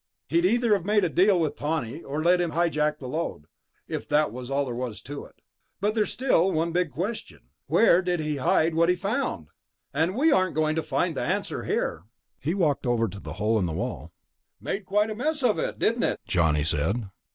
He'd either have made a deal with Tawney or let him hijack the lode, if that was all there was to it. But there's still one big question ... where did he hide what he found? And we aren't going to find the answer here." He walked over to the hole in the wall. "Made quite a mess of it, didn't it?" Johnny said.